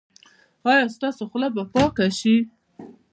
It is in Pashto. ایا ستاسو خوله به پاکه شي؟